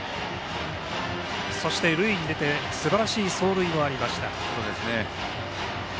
そして、塁に出てすばらしい走塁もありました。